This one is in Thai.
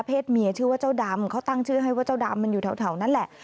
เมียชื่อว่าเจ้าดำเขาตั้งชื่อให้ว่าเจ้าดำมันอยู่แถวนั้นแหละ